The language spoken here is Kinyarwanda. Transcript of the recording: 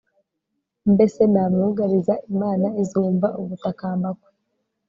mbese namwugariza imana izumva ugutakamba kwe